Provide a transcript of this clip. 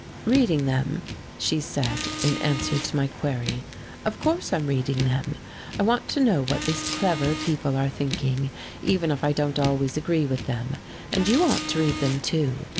"Reading them?" she said, in answer to my query. "Of course I'm reading them. I want to know what these clever people are thinking, even if I don't always agree with them, and you ought to read them too.